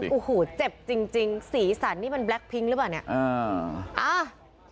อ๋ออูหูเจ็บจริงสีสันนี่มันแบล็คพิ้งหรือเปล่าเนี่ย